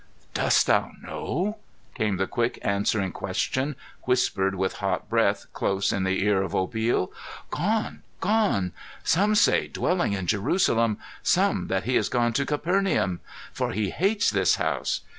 "Dost thou know?" came the quick, answering question, whispered with hot breath close in the ear of Obil. "Gone gone! Some say dwelling in Jerusalem, some that he is gone to Capernaum. For he hates this house.